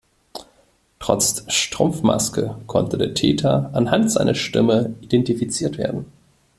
Trotz Strumpfmaske konnte der Täter anhand seiner Stimme identifiziert werden.